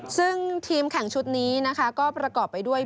ซึ่งทีมแข่งชุดนี้นะคะก็ประกอบไปด้วย